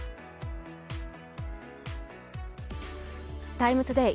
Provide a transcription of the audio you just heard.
「ＴＩＭＥ，ＴＯＤＡＹ」